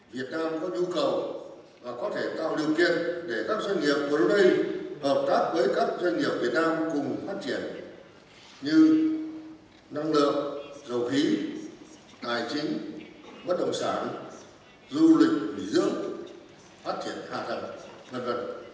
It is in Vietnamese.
việt nam có nhu cầu và có thể tạo điều kiện để các doanh nghiệp vốn bên hợp tác với các doanh nghiệp việt nam cùng phát triển như năng lượng dầu khí tài chính bất động sản du lịch bình dương phát triển hạ tầng v v